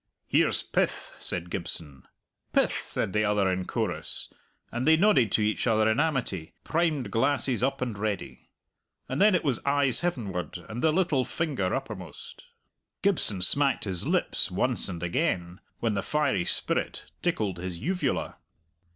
"Here's pith!" said Gibson. "Pith!" said the other in chorus, and they nodded to each other in amity, primed glasses up and ready. And then it was eyes heavenward and the little finger uppermost. Gibson smacked his lips once and again when the fiery spirit tickled his uvula.